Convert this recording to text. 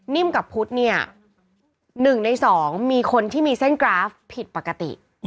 กับพุทธเนี่ย๑ใน๒มีคนที่มีเส้นกราฟผิดปกติ